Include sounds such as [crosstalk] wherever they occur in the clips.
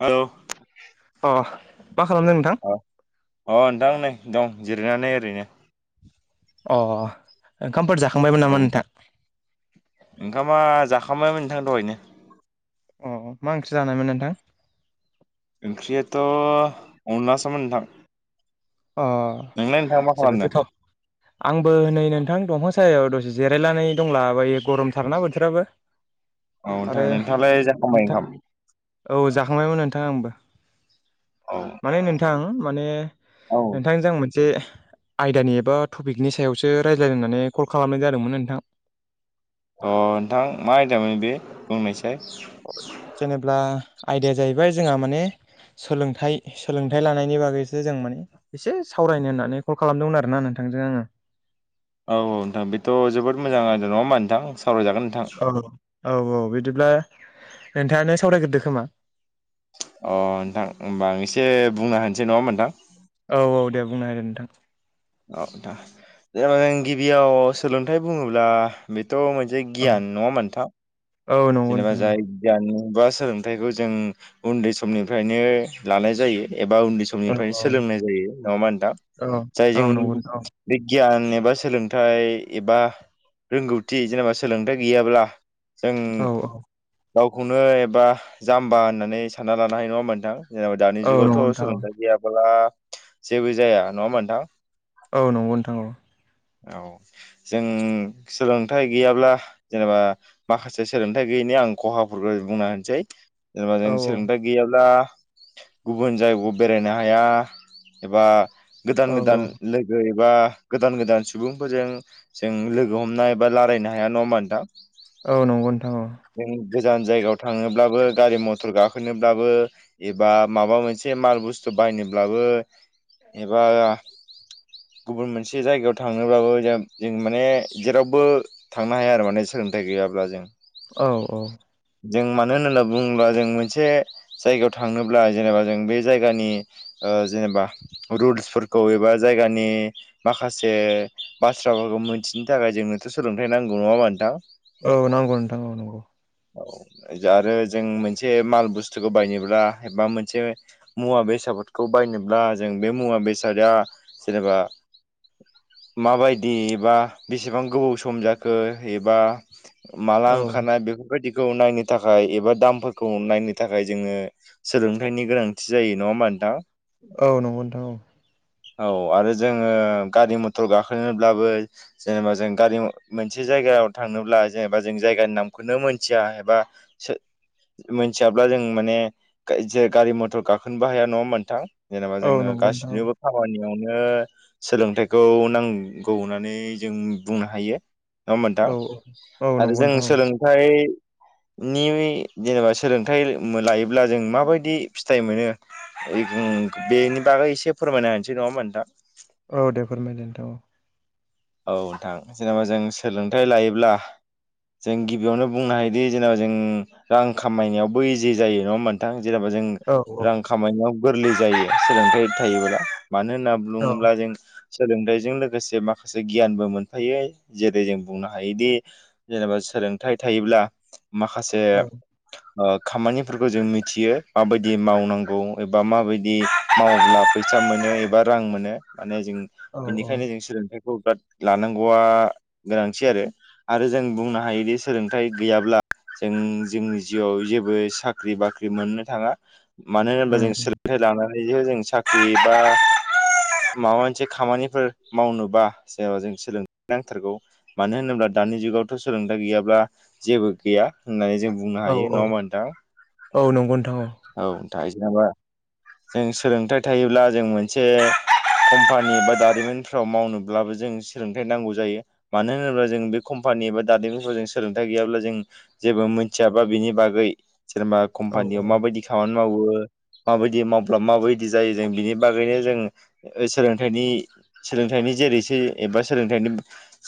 औ अ मा खालामदों नोंथां? अ अ नोंथां नै दं जिरायनानै ओरैनो अ ओंखामफोर जाखांबायमोन नामा नोंथां ओंखामा जाखांबायमोन नोंथां दहायनो अ मा ओंख्रि जानायमोन नोंथां ओंख्रियाथ' अनलासोमोन नोंथां अ नोंलाय नोंथाङा मा जोबोद खालामदों गोथाव आंबो नै नोंथां दंफां सायाव दसे जिरायनानै दंला बायो गरमथारना बोथोराबो [inaudible] औ नोंथां नोंथाङालाय जाखांबाय नोंथां ओंखाम औ जाखांबायमोन नोंथां आंबो औ माने नोंथां माने औ नोंथांजों आ मोनसे आयदानि एबा टपिकनि सायावसो रायज्लायनोहोननानै कल खालामनाय जादोंमोन नोंथां अ नोंथां मा आयदामोन बे बुंनायसाय जेनेब्ला आयदाया जाहैबाय जोंहा माने सोलोंथाइ-सोलोंथाइ लानायनि बागैसो जों माने एसे सावरायनो होननानै कल खालामदोंमोन आरोना नोंथांजों आङो औ औ नोंथां बेथ' जोबोद मोजां आरो नङा होमा नोंथां सावरायजागोन नोंथां औ औ औ बिदिब्ला नोंथाङानो सावरायग्रोदो खोमा अ नोंथां होमबा आं एसे बुंनो होनसै नङा होमबा नोंथां औ औ दे बुंना हो नोंथां औ नोंथां जेनेबा जों गिबियाव सोलोंथाइ बुङोब्ला बेथ' मोनसे गियान नङा होमबा नोंथां होदो जेनबा नोंथां जाय गियान बा सोलोंथाइखौ जों उन्दै समनिफ्रायनो लानाय जायो एबा उन्दै सम औ निफ्रायनो सोलोंनाय जायो नङा होमबा नोंथां जाय औ जों नंगौ नोंथां बे गियान एबा सोलोंथाइ एबा रोंगौथि जेनेबा सोलोंथाइ गैयाब्ला जों औ औ गावखौनो एबा जाम्बा होननानै सानना लानो हायो नङा होमबा नोंथां जेनेबा दानि औ नंगौ जुगावथ' नोंथां सोलोंथायाइ गैयाब्ला जेबो जाया नङा होमबा नोंथां औ नंगौ नोंथां औ औ जों सोलोंथाइ गैयाब्ला जेनेबा माखासे सोलोंथाइ गैयैनि आं खहाफोरखौ बुंना होनोसै जेनेबा जों औ सोलोंथाइ गैयाब्ला गुबुन जायगायाव बेरायनो हाया एबा औ गोदान-गोदान ल एबा गोदान गोदान सुबुंफोरजों जों लोगो हमनाय बा रायलायनो हाया नङा ओमबा नोंथां औ नंगौ नोंथां औ जों गोजान जायगायाव थाङोब्लाबो गारि मथर गाखोनोब्लाबो एबा माबा मोनसे माल बुस्थु बायनोब्लाबो एबा गुबुन मोनसे जायगायाव थांनोबाबो जो जों माने जेरावबो थांनो हाया आरो माने सोलोंथाइ गैयाब्ला जों औ औ। जों मानो होन्ना बुङोब्ला जों मोनसे जायगायाव थाङोब्ला जेनेबा जों बे जायगानि जेनेबा रुल्सफोरखौ एबा जायगानि माखासे बाथ्राफोरखौ मोनथिनो थाखाय जोंनोथ' सोलोंथाइ नांगौ नङा होमबा नोंथां? औ नांगौ नोंथां औ औ। औ आरो जों मोनसे माल बुस्थुखौ बायनोब्ला एबा मोनसे मुवा बेसादफोरखौ बायनोब्ला जों बे मुवा बेसादा जेनेबा माबायदि एबा बेसेबां गोबाव सम जाखो एबा माला औ ओंखारनाय बेफोरबायदिखौ नायनो थाखाय एबा दामफोरखौ नायनो थाखाय जोङो सोलोंथाइनि गोनांथि जायो नङा होमबा नोंथां? औ नंगौ नोंथां औ। औ आरो जोङो गारि मथर गाखोनोब्लाबो जेनेबा जों गारि मोनसे जायगायाव थांनोब्ला जेनेबा जों जायगानि नामखौनो मोनथिया एबा सो मोनथियाब्ला जों माने जे गारि मथर गाखोनोबो हाया नङा होमबा नोंथां जेनेबा औ जोङो नंगौ नोंथां गासैनिबो खामानियावनो सोलोंथाइखौ नांगौ होननानै जों बुंनो हायो नङा होमबा नोंथां औ औ आरो नंगौ जों नोंथां सोलोंथाइ नि जेनेबा सोलोंथाइ लायोब्ला जों माबायदि फिथाइ मोनो बेनि बागै एसे फोरमायना होनोसै नङा होमबा नोंथां औ दे फोरमायदो नोंथां औ नोंथां जेनेबा जों सोलोंथाइ लायोब्ला जों गिबियावनो बुंनो हायोदि जेनबा जों रां खामायनायावबो इजि जायो नङा होमबा नों थां जेनेबा जों औ रां खामायनायाव गोरलै जायो सोलोंथाइ थायोब्ला मानो होनना बु औ बुङोब्ला जों सोलोंथाइजों लोगोसे मा माखासे गियानबो मोनफायो जेरै जों बुंनो हायोदि जेनेबा सोलोंथाइ थायोब्ला माखासे ओ खामानिफोरखौ जों मिथियो माबायदि मावनांगौ एबा माबायदि मावोब्ला फैसा मोनो एबा रां मोनो माने जों औ औ बेनिखायनो जों सोलोंथाइ लानांगौआ गोनांथि आरो आरो जों बुंनो हायोदि सोलोंथाइ गैयाब्ला जों जोंनि जिउआव जेबो साख्रि बाख्रि मोननो थाङा मानो होनोब्ला उम जों थाइ लानानैसो जों साख्रि बा माबा मोनसे खामानिफोर मावनोबा जेनबा जों सोलों नांथारगौ। मानो होनोब्ला दानि जुगावथ' सोलोंथाइ गैयाब्ला जेबो गैया होननानै जों बुंनो औ हायो औ नङा होमबा नोंथां? औ नंगौ नोंथां औ। औ नोंथां जेनेबा जों सोलोंथाइ थायोब्ला जों मोनसे कम्पानि बा दारिमिनफ्राव मावनोब्लाबो जोंनो सोलोंथाइ नांगौ जायो। मानो होनोब्ला जों बे कम्पानि एबा दारिमिनफोराव जों सोलोंथाइ गैयाब्ला जों जेबो मिथियाबा बिनि बागै जेनेबा औ कम्पानियाव माबायदि खामानि मावो माबायदि मावब्ला माबायदि जायो जों बिनि बागैनो जों ओ सोलोंथायनि सोलोंथाइनि जेरैसो एबा सोलोंथाइनि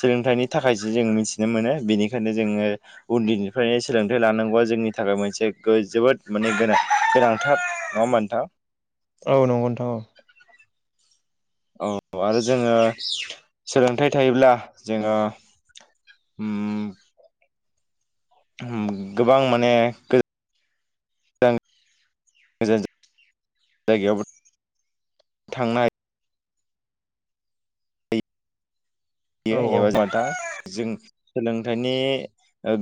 सोलोंथाइनि थाखायसो जों मिथिनो मोनो बेनिखायनो जोङो उन्दैनिफ्रायनो सोलोंथाइ लानांगौआ जोंनि थाखाय मोनसे गो जोबोद माने गोनां गोनांथार नङा होमबा नोंथां? औ नंगौ नोंथां औ। औ आरो जोङो सोलोंथाइ थायोब्ला जोङो उम उम गोबां माने गो आं मोजाजो जायगायावबो। थांनाय बियो औ औ एबा जान्था जों सोलोंथाइनि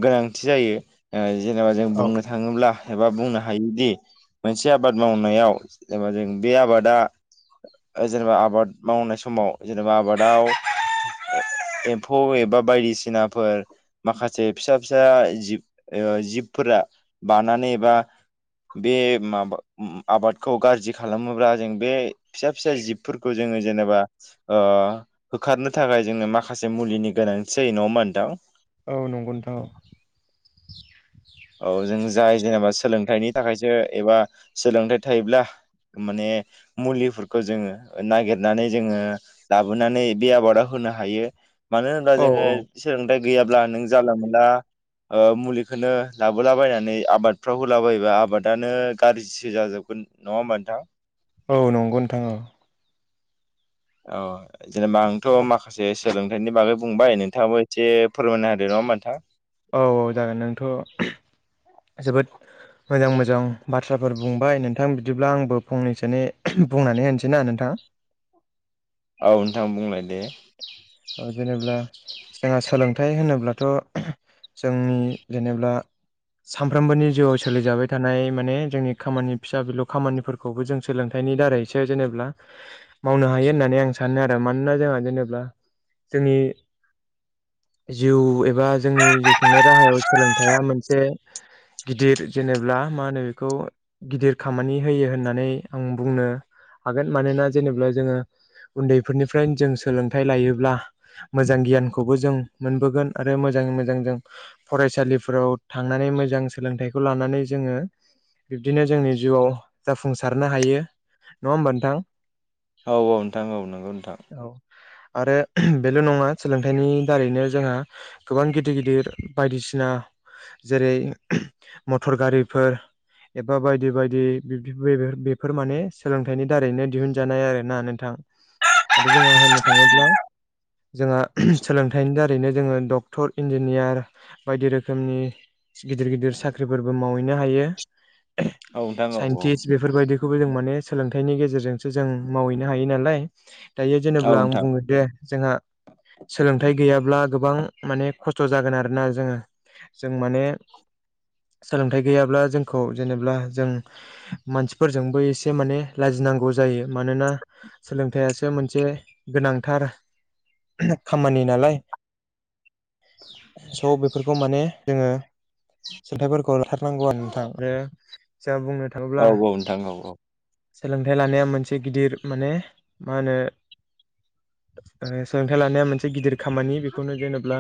गोनांथि जायो। ओ जेनेबा जों औ बुंनो थाङोब्ला एबा बुंनो हायोदि मोनसे आबाद मावनायाव जेनबा जों बे आबादा ओ जेनेबा आबाद मावनाय समाव जेनेबा आबादाव ओ एम्फौ एबा बायदि सिनाफोर माखासे फिसा फिसा आ जिब ओ जिबफोरा बानानै एबा बे माबा उम आबादखौ गाज्रि खालामोब्ला जों बे फिसा फिसा जिबफोरखौ जोङो जेनेबा ओ होखारनो था थाखाय जोंनो माखासे मुलिनि गोनांथि जायो होनबा नोंथां? औ नंगौ नोंथां औ। औ जों जाय जेनेबा सोलोंथाइनि थाखायसो एबा सोलोंथाइ थायोब्ला माने मुलिफोरखौ जोङो नागिरनानै जोङो लाबोनानै बे आबादा होनो हायो मानो होनोब्ला जोङो औ सोलोंथाइ गैयाब्ला नों जानला मोनला ओ मुलिखौनो लाबोलाबायनानै आबादफ्राव होला बयबा आबादानो गाज्रिसो जाजोबगोन नङा होमबा नोंथां? औ नंगौ नोंथां औ। औ जेनेबा आंथ' माखासे सोलोंथाइनि बागै बुंबाय नोंथाङाबो एसे फोरमायना होदों नङा होमबा नोंथां? औ औ जागोन नोंथ' जोबोद मोजां मोजां बा थ्राफोर बुंबाय नोंथां बिदिब्ला आंबो फंनैसोनि बुंनानै होनसै ना नोंथां। औ नोंथां बुंलाय दे। ओ जेनेब्ला जोंहा सोलोंथाइ होनोब्लाथ' जोंनि जेनेबा सामफ्रोमबोनि जिउआव सोलिजाबाय थानाय माने जोंनि खामानि फिसा बिलौ खामानिफोर खौबो जों सोलोंथाइनि दारैसो जेनेब्ला मावनो हायो होननानै आं सानो आरो मानोना जोंहा जेनेब्ला जोंनि जिउ एबा जोंनि जिउ खुंनाय राहायाव सोलोंथाइआ मोनसे गिदिर जेनेब्ला माहोनो बेखौ गिदिर खामानि होयो होननानै आं बुंनो हागोन मानोना जेनेब्ला जोङो उन्दैफोरनिफ्रायनो जों सोलोंथाइ लायोब्ला मोजां गियानखौबो जों मोनबोगोन आरो मोजाङै मोजां जों फरायसालिफोराव थांनानै मोजां सोलोंथाइखौ लानानै जोङो बिब्दिनो जोंनि जिउआव जाफुंसारनो हायो नङा होमबा नोंथां? औ औ नोंथां औ नंगौ नोंथां। औ आरो बेल' नङा सोलोंथाइनि दारैनो जोंहा गोबां गिदिर गिदिर बायदिसिना जेरै मटर गारिफोर एबा बायदि बायदि बिब्दि बेबे बेफोर माने सोलोंथाइनि दारैनो दिहुनजानाय आरो ना नोंथां। आरो जोंहा होननो थाङोब्ला जोंहा सोलोंथाइनि दारैनो जोङो डक्टर इन्जिनियार बायदि रोखोमनि सि गिदिर गिदिर साख्रिफोरबो मावहैनो हायो औ नोंथां औ साइन्टिस्ट बेफोर बेफोरबायदिखौबो जों माने सोलोंथाइनि गेजेरजोंसो जों मावहैनो हायो नालाय दायो औ जेनब्ला आं बुङो दे जोंहा सोलोंथाइ गैयाब्ला गोबां माने खस्थ' जागोन आरोना जोङो। जों माने सोलोंथाइ गैयाब्ला जोंखौ जेनेबा जों मानसिफोरजोंबो एसे माने लाजिनांगौ जायो। मानोना सोलोंथाइासो मोनसे गोनांथार। खामानि नालाय स' बेफोरखौ माने जोङो सोंथाइफोरखौ लाथारनांगौ आरो नोंथां आरो जोंहा बुंनो थाङोब्ला नोंथां औ सोलोंथाइ लानाया मोनसे गिदिर माने मा होनो सोलोंथाइ लानाया मोनसे गिदिर खामानि बेखौनो जेनब्ला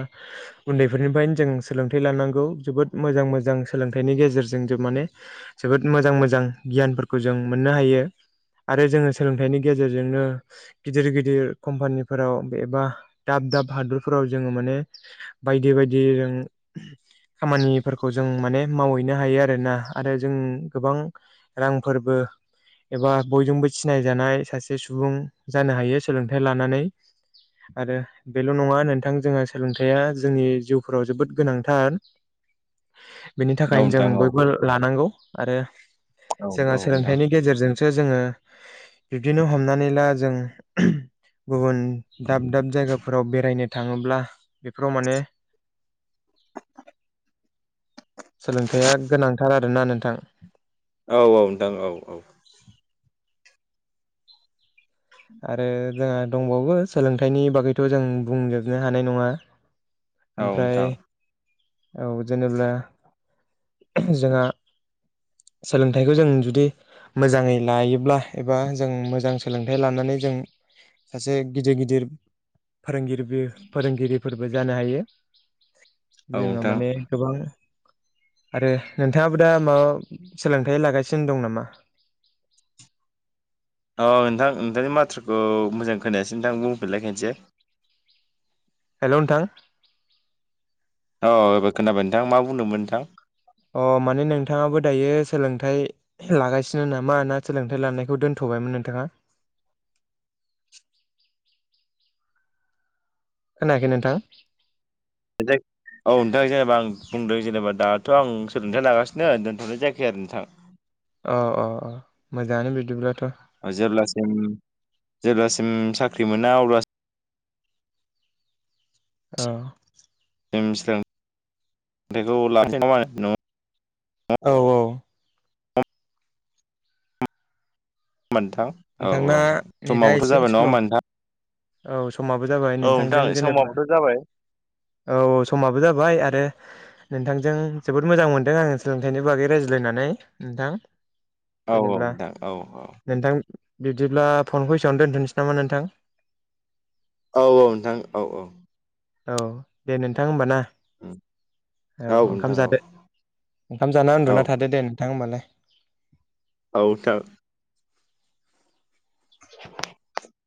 उन्दैफोरनिफ्रायनो जों सोलोंथाइ लानांगौ जोबोद मोजां मोजां सोलोंथाइनि गेजेरजों जों माने जोबोद मोजां मोजां गियानफोरखौ जों मोननो हायो। आरो जोङो सोलोंथाइनि गेजेरजोंनो गिदिर गिदिर कम्पानि फोराव एबा दाब दाब हादरफोराव जोङो माने बायदि बायदि जों खामानिफोरखौ जों माने मावहैनो हायो आरोना आरो जों गोबां रां फोरबो एबा बयजोंबो सिनायजानाय सासे सुबुं जानो हायो सोलोंथाइ लानानै [inaudible] आरो बेल' नङा नोंथां जोंहा सोलोंथाइया जोंनि जिउफोराव जोबोद गोनांथार। बेनि औ थाखायनो जों नोंथां औ बयबो लानांगौ आरो औ जोंहा औ नोंथां औ नोंथां सोलोंथाइनि गेजेरजों सो जोङो बिब्दिनो हमनानै ला जों गुबुन दाब दाब जायगाफोराव बेरायनो थाङोब्ला बेफोराव माने सोलोंथाइया गोनांथार आरोना नोंथां। औ औ नोंथां औ औ। आरो जोंहा दंबावो सोलोंथाइनि बागैथ' जों बुंजोबनो हानाय नङा। औ ओमफ्राय नोंथां। औ जेनब्ला जोंहा सोलोंथाइखौ जों जुदि मोजाङै लायोब्ला एबा जों मोजां सोलोंथाइ लानानै जों सासे गिदिर गिदिर फोरोंगिरिबि फोरोंगिरि फोरबो जानो हायो। औ जोङो नोंथां औ माने गोबां आरो नोंथाङाबो दा माबा सोलोंथाइ लागासिनो दं नामा? औ नोंथां नोंथांनि माथ्राखौ मोजां खोनायासो नोंथां बुंफिनलाय खानसे। हेल' नोंथां औ एबार खोनाबाय नोंथां मा बुंदोंमोन नोंथां? अ माने नोंथाङाबो दायो सोलोंथाइ लागासिनो ना मा ना सोलोंथाइ लानायखौ दोन्थ'बायमोन नोंथाङा? खोनायाखै नोंथां? [inaudible] औ नोंथां जेनेबा आं बुंदों जेनेबा दाथ' आं सोलोंथाइ लागासिनो दोनथ'नाय जायाखै आरो नोंथां औ औ औ मोजाङानो बिदिब्लाथ' जेब्लासिम जेब्लासिम साख्रि मोना अब्ला अ अब्लासिम [unintelligible] औ औ नोंथां औ नोंथांना नोंथां नेथा दा समाबोथ' एसे जाबाय नङा स्ल'। होमबा नोंथां औ समाबो जाबाय औ नोंथां नोंथांजों जेनेबा समाबोथ' जाबाय औ औ समाबो जाबाय आरो नोंथांजों जोबोद मोजां मोनदों आं सोलोंथाइनि बागै रायज्लायनानै नोंथां। औ औ जेनेब्ला दां औ औ। नोंथां बिदिब्ला फनखौ एसेनो दोनथ'सै नामा नोंथां। औ-औ नोंथां औ-औ। औ दे नोंथां होमबा ना औ नोंथां ओंखाम औ जादो। ओंखाम जानानै औ उन्दुना थादोे दे नोंथां हीमबालाय। आउथा [inaudible]